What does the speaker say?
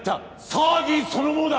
詐欺そのものだ！